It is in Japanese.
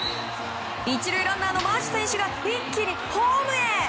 １塁ランナーのマーシュ選手が一気にホームへ。